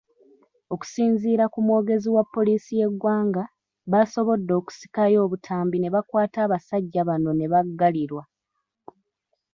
Okusinziira kumwogezi wa poliisi y'eggwanga, baasobodde okusikayo obutambi ne bakwata abasajja bano ne baggalirwa.